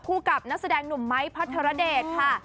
กับนักแสดงหนุ่มไม้พัทรเดชค่ะ